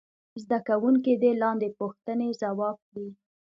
زده کوونکي دې لاندې پوښتنې ځواب کړي.